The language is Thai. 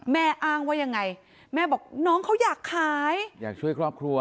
อ้างว่ายังไงแม่บอกน้องเขาอยากขายอยากช่วยครอบครัว